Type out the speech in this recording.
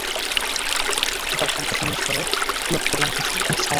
তার সম্ভাষণের স্বরে লক্ষ করলাম একটা শঙ্কার ছায়া।